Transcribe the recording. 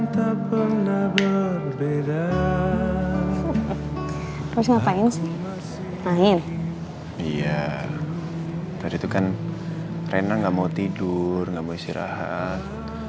terus ngapain sih main iya tadi itu kan rena nggak mau tidur nggak mau istirahat